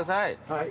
はい。